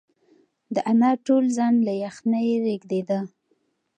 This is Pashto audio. د انا ټول ځان له یخنۍ رېږدېده.